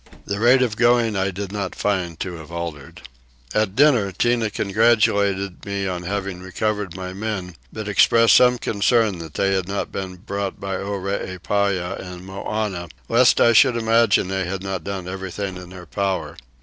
The rate of going I did not find to have altered. At dinner Tinah congratulated me on having recovered my men, but expressed some concern that they had not been brought by Oreepyah and Moannah, lest I should imagine they had not done everything in their power.